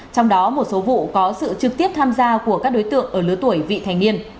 trong đó một số vụ có sự trực tiếp tham gia của các đối tượng ở lứa tuổi vị thành niên